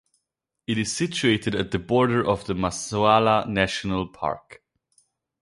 It is situated at the border of the Masoala National Park.